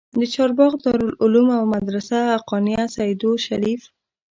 د چارباغ دارالعلوم او مدرسه حقانيه سېدو شريف